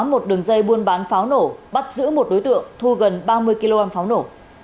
một đường dây buôn bán pháo nổ bắt giữ một đối tượng thu gần ba mươi kg pháo nổ